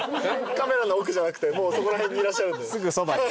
カメラの奥じゃなくてもうそこら辺にいらっしゃる。